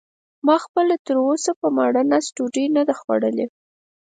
ما خپله تراوسه په ماړه نس ډوډۍ نه ده خوړلې.